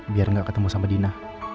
biar gak ketemu sama dina